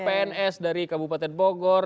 pns dari kabupaten bogor